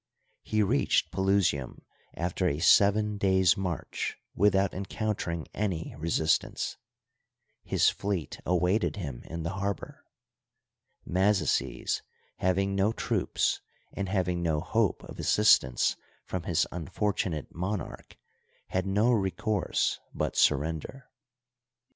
He reached Pelusium after a seven days' march without encountering any resistance. His fleet awaited him in the harbor. Mazaces, having no troops, and having no hope of assistance from his unfor tunate monarch, had no recourse but surrender.